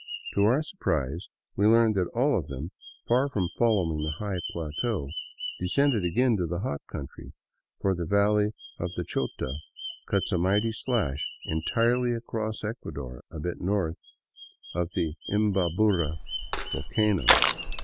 To our surprise, we learned that all of them, far from following the high plateau, de scended again into the hot country, for the valley of the Chota cuts a mighty slash entirely across Ecuador a bit north of the Imbabura vol cano.